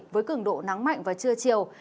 với cường độ nắng mạnh và trưa chiều